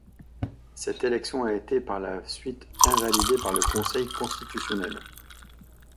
Cette élection a été par la suite invalidée par la Conseil constitutionnel.